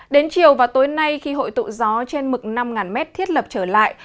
đến chiều và tối nay khi hội tụ gió trên mực năm m thiết lập trở lại